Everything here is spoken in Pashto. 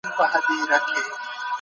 خپل ځان ته د ارام وخت ورکړئ.